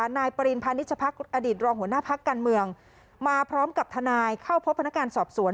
นายปริณพาณิชพักอดีตรองหัวหน้าพักการเมืองมาพร้อมกับทนายเข้าพบพนักงานสอบสวน